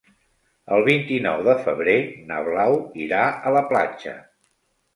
El vint-i-nou de febrer na Blau irà a la platja.